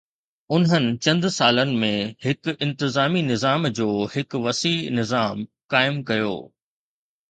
انهن چند سالن ۾ هن انتظامي نظام جو هڪ وسيع نظام قائم ڪيو.